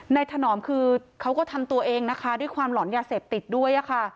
ถนอมคือเขาก็ทำตัวเองนะคะด้วยความหลอนยาเสพติดด้วยค่ะ